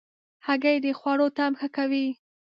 هګۍ د خوړو طعم ښه کوي.